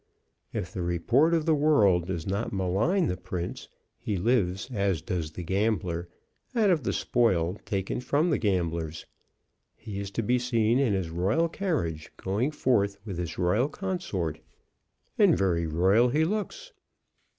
If the report of the world does not malign the prince, he lives, as does the gambler, out of the spoil taken from the gamblers. He is to be seen in his royal carriage going forth with his royal consort, and very royal he looks!